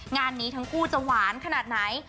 งานนี้ทั้งคู่จะหวานขนาดไหน